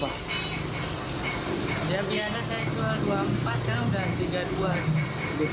biasanya saya jual dua puluh empat sekarang udah tiga puluh dua